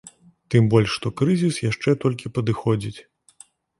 Тым больш, што крызіс яшчэ толькі падыходзіць.